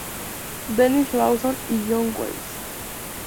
Denis Lawson y John Wells.